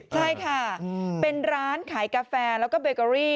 ใช่ค่ะเป็นร้านขายกาแฟแล้วก็เบเกอรี่